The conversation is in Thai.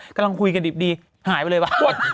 กำลังคุยกันดิบดีหายไปเลยป่ะ